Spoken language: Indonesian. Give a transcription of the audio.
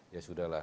ya sudah lah